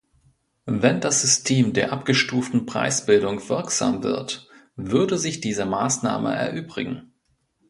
Wenn das System der abgestuften Preisbildung wirksam wird, würde sich diese Maßnahme erübrigen.